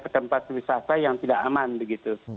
tempat wisata yang tidak aman begitu